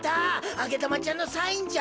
あげだまちゃんのサインじゃ。